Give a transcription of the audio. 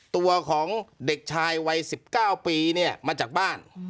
ตัวของเด็กชายวัย๑๙ปีเนี่ยมาจากบ้าน